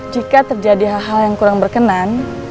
jika terjadi hal hal yang kurang berkenan